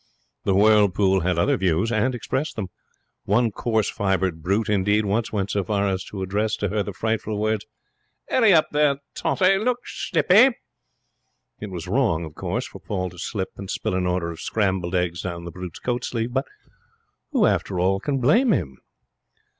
The whirlpool had other views and expressed them. One coarse fibred brute, indeed, once went so far as to address to her the frightful words, ''Urry up, there, Tottie! Look slippy.' It was wrong, of course, for Paul to slip and spill an order of scrambled eggs down the brute's coat sleeve, but who can blame him?